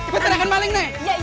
gue teriakan maling nih